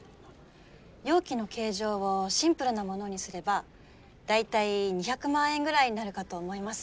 容器の形状をシンプルなものにすれば大体２００万円ぐらいになるかと思います。